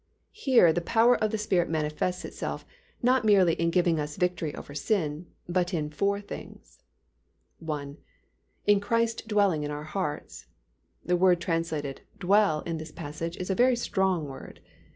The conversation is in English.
Here the power of the Spirit manifests itself, not merely in giving us victory over sin but in four things: I. In Christ dwelling in our hearts. The word translated "dwell" in this passage is a very strong word.